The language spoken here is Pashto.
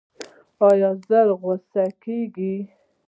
ایا ژر غوسه کیږئ؟